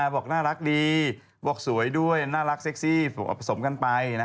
บอกน่ารักดีบอกสวยด้วยน่ารักเซ็กซี่ผสมกันไป